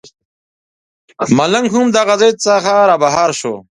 ملنګ هم د هغه ځای څخه رابهر شو.